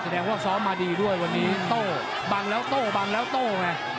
แสดงว่าซ้อมมาดีด้วยวันนี้โต้บังแล้วโต้บังแล้วโต้ไง